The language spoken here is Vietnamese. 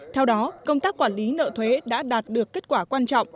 theo đó công tác quản lý nợ thuế đã đạt được kết quả quan trọng